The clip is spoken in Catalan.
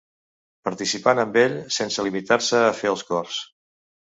Participant amb ell, sense limitar-se a fer els cors.